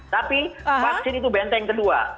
tapi vaksin itu benteng kedua